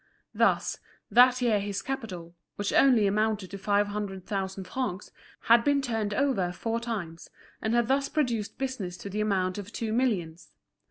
Thus, that year his capital, which only amounted to five hundred thousand francs, had been turned over four times, and had thus produced business to the amount of two millions.